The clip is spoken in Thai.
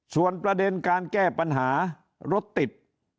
ส่วนประเด็นการแก้ปัญหารถติด